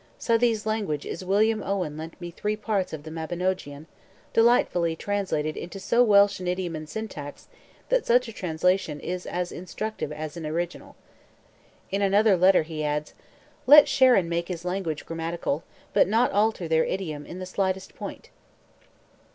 Southey's language is "William Owen lent me three parts of the Mabinogeon, delightfully translated into so Welsh an idiom and syntax that such a translation is as instructive as an original." In another letter he adds, "Let Sharon make his language grammatical, but not alter their idiom in the slightest point."